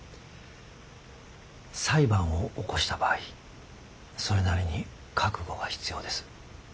裁判を起こした場合それなりに覚悟が必要です。